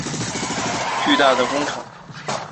开凿和竖立方尖碑是一项艰巨工程。